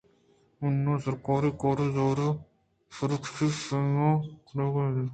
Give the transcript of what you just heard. اناں سرکاری کارءُراز ہرکسی دیمءَ تالان کنگ نہ بنت